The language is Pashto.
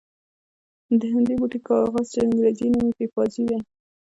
د همدې بوټي کاغذ چې انګرېزي نوم یې پپیازي دی.